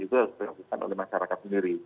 itu harus dilakukan oleh masyarakat sendiri